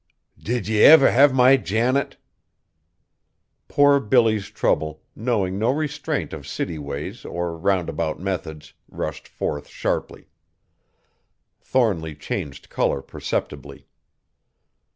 "Did ye ever have my Janet?" Poor Billy's trouble, knowing no restraint of city ways or roundabout methods, rushed forth sharply. Thornly changed color perceptibly.